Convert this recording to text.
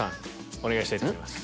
お願いしたいと思います。